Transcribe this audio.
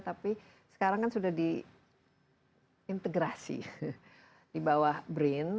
tapi sekarang kan sudah di integrasi di bawah brin